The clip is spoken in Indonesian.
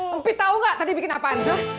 empi tau gak tadi bikin apaan